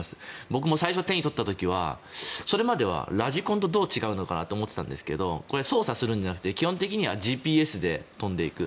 僕も最初、手に取った時はそれまではラジコンとどう違うのかなって思ってたんですけどこれ、操作するんじゃなくて基本的にはＧＰＳで飛んでいく。